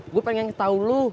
gue pengen tau lu